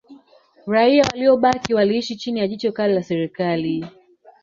Raia waliobaki waliishi chini ya jicho kali la Serikali